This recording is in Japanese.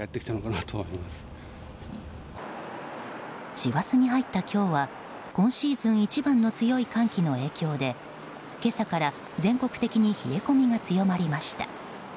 師走に入った今日は今シーズン一番の強い寒気の影響で今朝から全国的に冷え込みが強まりました。